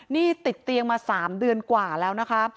นี่ติดเตียงมา๓เดือนกว่าแล้วนะคะ